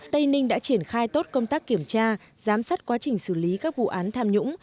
tây ninh đã triển khai tốt công tác kiểm tra giám sát quá trình xử lý các vụ án tham nhũng